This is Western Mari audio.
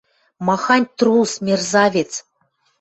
Махань трус, мерзавец!..